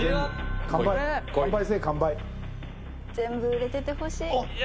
全部売れててほしい。